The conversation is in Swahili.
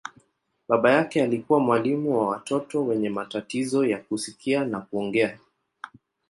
Baba yake alikuwa mwalimu wa watoto wenye matatizo ya kusikia na kuongea.